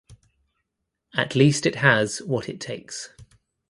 At least it has what it takes.